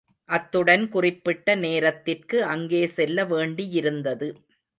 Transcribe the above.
அத்துடன் குறிப்பிட்ட நேரத்திற்கு அங்கே செல்ல வேண்டியிருந்தது.